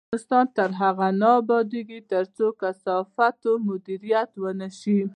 افغانستان تر هغو نه ابادیږي، ترڅو د کثافاتو مدیریت ونشي.